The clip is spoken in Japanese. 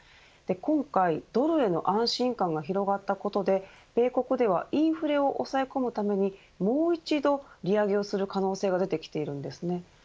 今回、ドルへの安心感が広がったことで米国ではインフレを抑え込むためにもう一度、利上げをする可能性が出てきているのです。